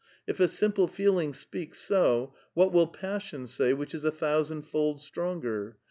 If a simple feeling speaks so, what will passion say which is a thousand fold stronger?